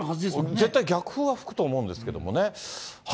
絶対逆風が吹くと思うんですけどもね。